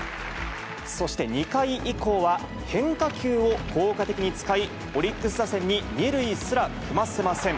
そして２回以降は、変化球を効果的に使い、オリックス打線に２塁すら踏ませません。